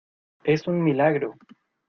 es un milagro.